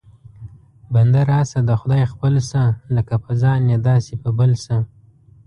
بنده راشه د خدای خپل شه، لکه په ځان یې داسې په بل شه